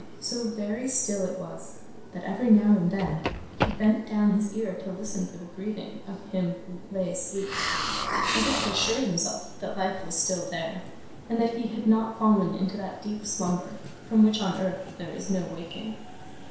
So very still it was, that, every now and then, he bent down his ear to listen for the breathing of him who lay asleep, as if to assure himself that life was still there, and that he had not fallen into that deep slumber from which on earth there is no waking.